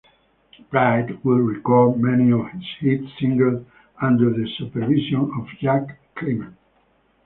Pride would record many of his hit singles under the supervision of Jack Clement.